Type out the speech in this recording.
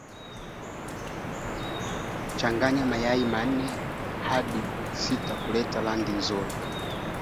Magonjwa ambayo yanatoa majeraha kwenye midomo na miguu ya wanyama